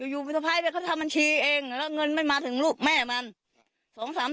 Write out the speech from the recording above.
อยู่วิทยาภัยเลยเขาทำบัญชีเองแล้วเงินไม่มาถึงลูกแม่มัน